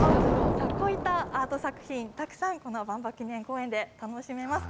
こういったアート作品、たくさん、この万博記念公園で楽しめます。